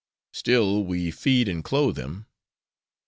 "Still we feed and clothe him."